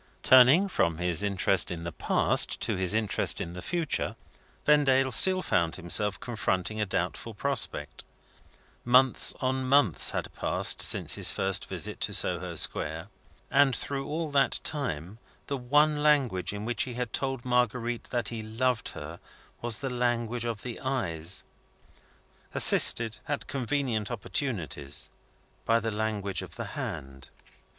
Turning from his interest in the past to his interest in the future, Vendale still found himself confronting a doubtful prospect. Months on months had passed since his first visit to Soho Square and through all that time, the one language in which he had told Marguerite that he loved her was the language of the eyes, assisted, at convenient opportunities, by the language of the hand.